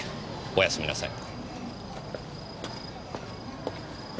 おやすみなさい。